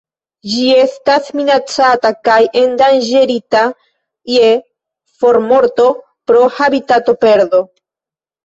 Ĝi estas minacata kaj endanĝerita je formorto pro habitatoperdo.